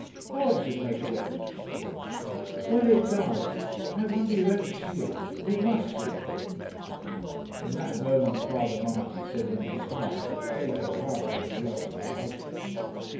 "How does it make a difference?" "Well; it does. I wonder you don't see it. You must see it." From that moment Father Marty said in his heart that Kate O'Hara had lost her husband.